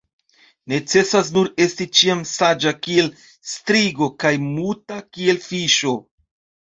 Necesas nur esti ĉiam saĝa kiel strigo kaj muta kiel fiŝo.